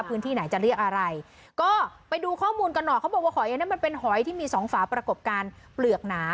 พื้นที่ไหนจะเรียกอะไรก็ไปดูข้อมูลกันหน่อยเขาบอกว่าหอยนั้นมันเป็นหอยที่มีสองฝาประกอบการเปลือกหนา